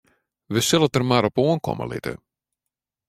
Wy sille it der mar op oankomme litte.